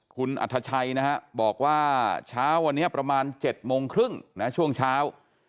คุณอัธชัยนะฮะบอกว่าเช้าวันนี้ประมาณ๗โมงครึ่งนะช่วงเช้า